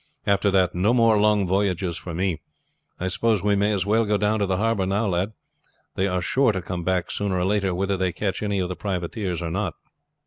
After that, no more long voyages for me. I suppose we may as well go down to the harbor now, lad. They are sure to come back sooner or later, whether they catch any of the privateers or not."